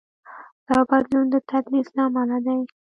دا بدلون د تدریس له امله دی.